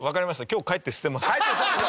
今日帰って捨てます。